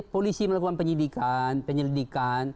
polisi melakukan penyelidikan